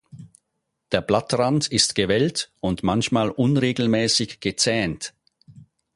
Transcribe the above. Der Blattrand ist gewellt und manchmal unregelmäßig gezähnt.